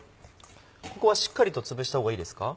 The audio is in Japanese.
ここはしっかりとつぶした方がいいですか？